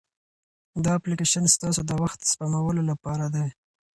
دا اپلیکیشن ستاسو د وخت سپمولو لپاره دی.